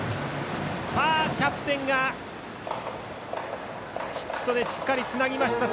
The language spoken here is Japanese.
キャプテンがヒットでしっかりつなぎました。